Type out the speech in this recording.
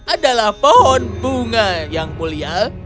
adalah pohon bunga yang mulia